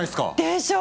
でしょ？